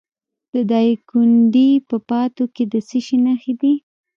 د دایکنډي په پاتو کې د څه شي نښې دي؟